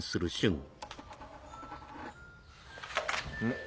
ん。